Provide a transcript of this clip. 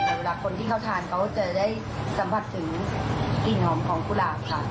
แต่เวลาคนที่เขาทานเขาจะได้สัมผัสถึงกลิ่นหอมของกุหลาบค่ะ